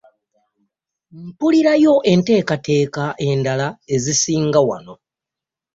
Mpulirayo enteekateeka endala ezisinga wano.